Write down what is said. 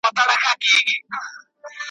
اور د کوه طور سمه، حق سمه، منصور سمه `